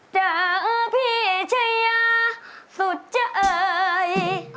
เจอพี่เอชยาสุดใจ